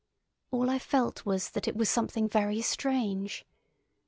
All I felt was that it was something very strange.